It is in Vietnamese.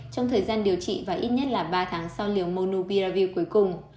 trong thời gian điều trị và ít nhất là ba tháng sau liều monobiravi cuối cùng